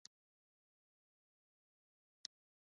د میربچه کوټ انګور ښه دي